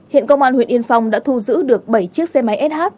hiện công an huyện yên phong đã thu giữ được bảy chiếc xe máy sh